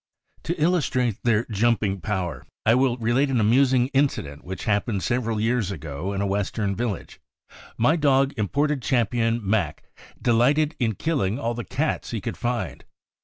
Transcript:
To illustrate their jumping power, I will relate an amusing incident which happened several years ago in a Western village. My dog* Imported Champion Mac delighted in killing all the cats he could find.